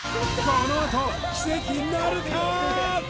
このあと奇跡なるか？